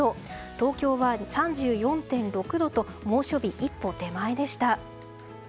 東京は３４．６度と猛暑日一歩手前でした。